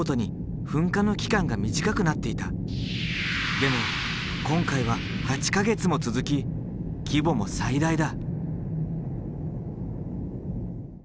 でも今回は８か月も続き規模も最大だ。